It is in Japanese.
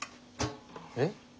えっ？